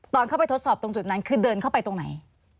ตอนเข้าไปทดสอบตรงจุดนั้นคือเดินเข้าไปตรงไหน